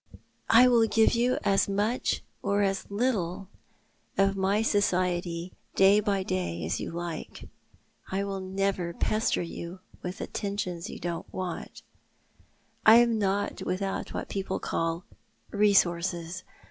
I will give you as much or as little of my society day by day as you like, I will never pester you with attentions you don't want, I am not without what people call — resources.